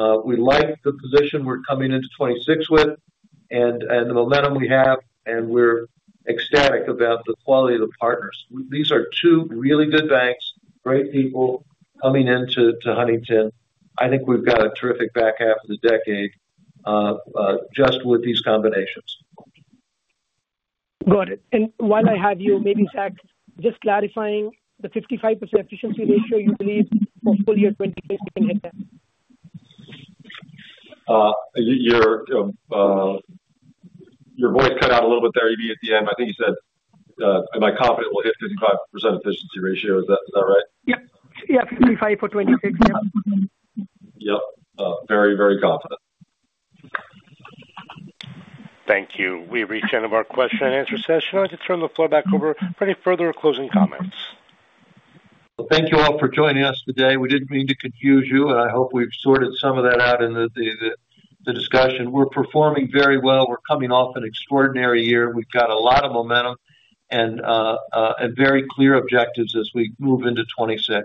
us. We like the position we're coming into 2026 with and the momentum we have. We're ecstatic about the quality of the partners. These are two really good banks, great people coming into Huntington. I think we've got a terrific back half of the decade just with these combinations. Got it. And while I have you, maybe, Zach, just clarifying the 55% efficiency ratio, you believe for full year 2026, we can hit that? Your voice cut out a little bit there, EB, at the end. I think you said, "Am I confident we'll hit 55% efficiency ratio?" Is that right? Yep. Yeah. 55 for 2026. Yeah. Yep. Very, very confident. Thank you. We reached the end of our question and answer session. I just turn the floor back over for any further closing comments. Thank you all for joining us today. We didn't mean to confuse you, and I hope we've sorted some of that out in the discussion. We're performing very well. We're coming off an extraordinary year. We've got a lot of momentum and very clear objectives as we move into 2026.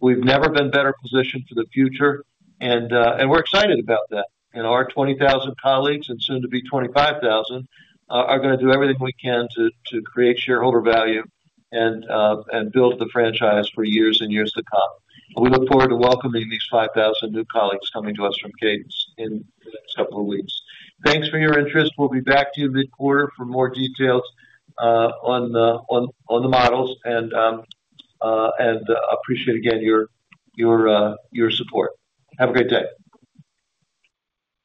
We've never been better positioned for the future, and we're excited about that. Our 20,000 colleagues and soon-to-be 25,000 are going to do everything we can to create shareholder value and build the franchise for years and years to come. We look forward to welcoming these 5,000 new colleagues coming to us from Cadence in the next couple of weeks. Thanks for your interest. We'll be back to you mid-quarter for more details on the models. I appreciate, again, your support. Have a great day.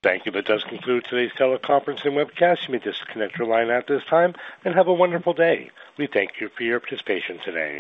Thank you. That does conclude today's teleconference and webcast. You may disconnect your line at this time and have a wonderful day. We thank you for your participation today.